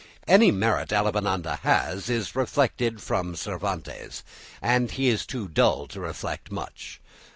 Any merit Avellaneda has is reflected from Cervantes, and he is too dull to reflect much.